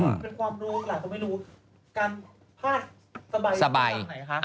เป็นความรู้แต่ไม่รู้การพาดสบายสักอย่างไหนคะ